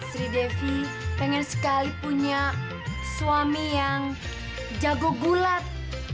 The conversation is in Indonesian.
si depi pengen sekali punya suami yang jago gulat